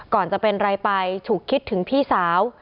ก่อนจะเป็นไรไปฉุกคิดถึงพี่สาว